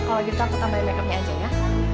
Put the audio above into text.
kalau gitu aku tambahin makeupnya aja ya